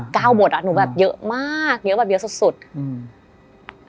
เยอะค่ะเก้าบทอ่ะหนูแบบเยอะมากเยอะแบบเยอะสุดสุดอืม